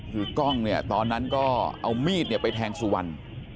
คือกล้องเนี่ยตอนนั้นก็เอามีดไปแทงสุวรรณ